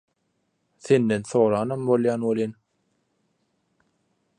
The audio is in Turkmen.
Senden soranam bolýan welin